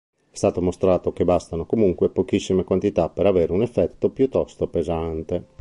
È stato mostrato che bastano comunque pochissime quantità per avere un effetto piuttosto pesante.